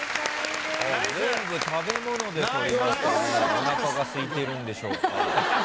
おなかがすいてるんでしょうか。